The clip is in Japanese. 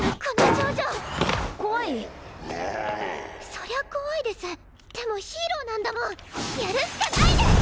そりゃ怖いですでもヒーローなんだもんやるしかないです！